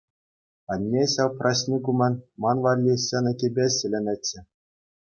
Анне ҫав праҫник умӗн мана валли сӗнӗ кӗпе ҫӗленӗччӗ.